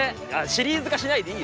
シリーズ化しないでいいよ！